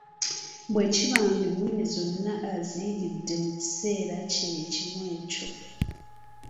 Bwe kiba nga ennimi zonna aziyigidde mu kiseera kye kimu ekyo.